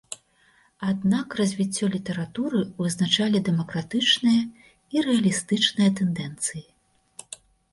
Аднак развіццё літаратуры вызначалі дэмакратычныя і рэалістычныя тэндэнцыі.